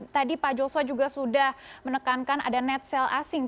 tadi pak joshua juga sudah menekankan ada netzel asing